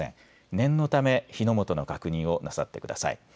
念のため火の元の確認をなさってください。